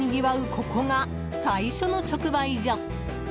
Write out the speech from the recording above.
ここが最初の直売所。